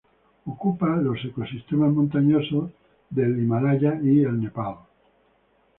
Ocupa los ecosistemas montañosos de los Himalayas y Nepal.